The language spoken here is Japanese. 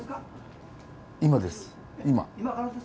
今です今。